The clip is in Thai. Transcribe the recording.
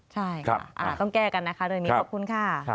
ใช่ค่ะต้องแก้กันนะคะโดยมีขอบคุณค่ะ